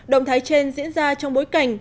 động thái trên diễn ra trong bối cảnh